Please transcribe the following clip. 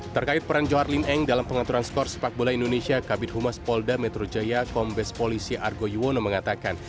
terkait peran johar lin eng dalam pengaturan skor sepak bola indonesia kabin humas polda metro jaya kombes polisi argo yuwono mengatakan